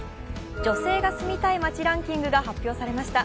女性が住みたい街ランキングが発表されました